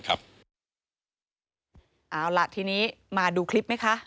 เอาล่ะทีนี้มาดูคลิปไหมคะ